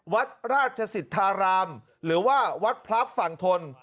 วัดราชสิทธารามหรือว่าวัดพลับฝั่งทน